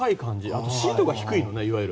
あとシートが低いよね。